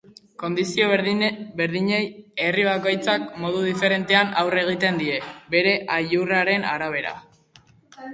Kondizio berdinei herri bakoitzak modu diferentean aurre egiten die, bere aiurriaren arabera.